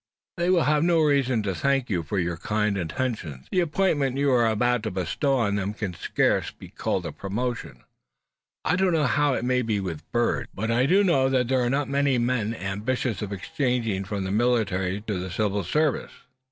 "They will have no reason to thank you for your kind intentions. The appointment you are about to bestow on them can scarce be called a promotion. I don't know how it may be with birds, but I do know that there are not many men ambitious of exchanging from the military to the civil service."